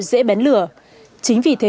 dễ bén lửa chính vì thế